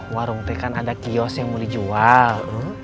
warung teh kan ada kios yang mau dijual